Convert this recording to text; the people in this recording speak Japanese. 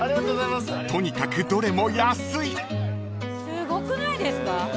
すごくないですか？